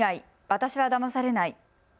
私はだまされない。